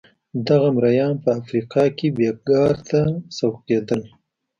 دغه مریان په افریقا کې بېګار ته سوق کېدل.